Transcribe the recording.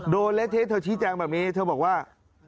เละเทะเธอชี้แจงแบบนี้เธอบอกว่า